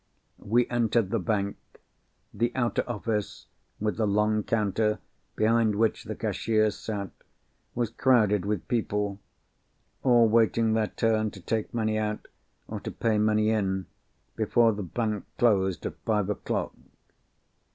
We entered the bank. The outer office—with the long counter, behind which the cashiers sat—was crowded with people; all waiting their turn to take money out, or to pay money in, before the bank closed at five o'clock.